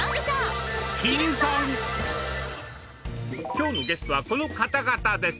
今日のゲストはこの方々です。